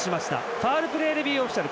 ファウルプレーレビューオフィシャル